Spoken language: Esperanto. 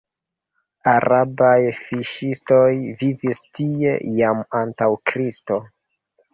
Arabaj fiŝistoj vivis tie jam antaŭ Kristo.